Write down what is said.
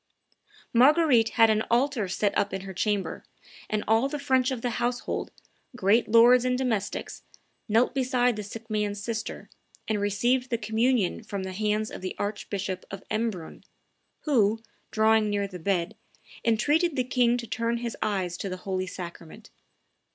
Marguerite had an altar set up in her chamber; and all the French, of the household, great lords and domestics, knelt beside the sick man's sister, and received the communion from the, hands of the Archbishop of Embrun, who, drawing near the bed, entreated the king to turn his eyes to the holy sacrament.